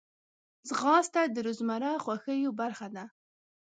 ځغاسته د روزمره خوښیو برخه ده